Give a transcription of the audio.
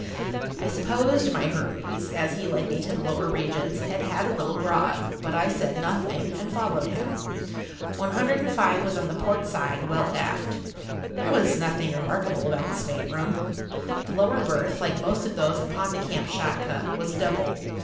I supposed my Hermes, as he led me to the lower regions, had had a little grog, but I said nothing, and followed him. One hundred and five was on the port side, well aft. There was nothing remarkable about the state room. The lower berth, like most of those upon the Kamtschatka, was double.